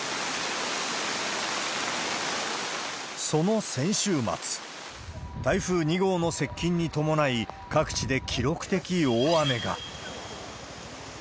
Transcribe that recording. その先週末、台風２号の接近に伴い、各地で記録的大雨が。